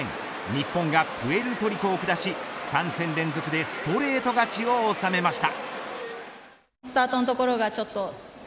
日本がプエルトリコを下し３戦連続でストレート勝ちを収めました。